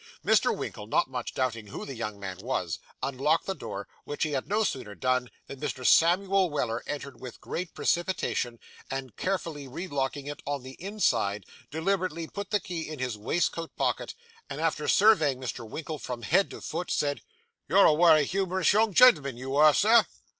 Mr. Winkle, not much doubting who the young man was, unlocked the door; which he had no sooner done than Mr. Samuel Weller entered with great precipitation, and carefully relocking it on the inside, deliberately put the key in his waistcoat pocket; and, after surveying Mr. Winkle from head to foot, said 'You're a wery humorous young gen'l'm'n, you air, Sir!